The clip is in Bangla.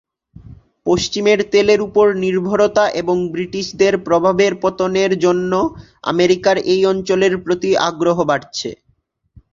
পশ্চিমের তেলের উপর নির্ভরতা এবং ব্রিটিশদের প্রভাবের পতনের জন্য আমেরিকার এই অঞ্চলের প্রতি আগ্রহ বাড়ছে।